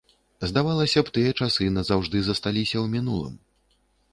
Здавалася б, тыя часы назаўжды засталіся ў мінулым.